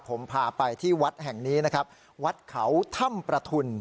ผมพาไปที่วัดแห่งนี้นะครับวัดเขาถ้ำประทุน